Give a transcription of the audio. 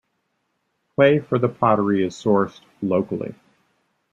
Clay for the pottery is sourced locally.